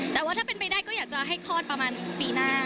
แต่ว่าถ้าเป็นไปได้ก็อยากจะให้คลอดประมาณปีหน้า